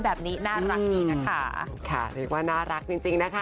แบบนี้น่ารักดีนะคะค่ะเรียกว่าน่ารักจริงจริงนะคะ